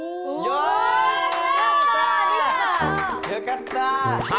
よかった！